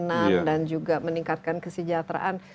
mengurangi kemiskinan dan juga meningkatkan kesejahteraan